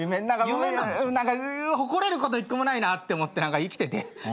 何か誇れること１個もないなって思って生きてて。